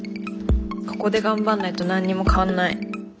ここで頑張んないと何にも変わんない。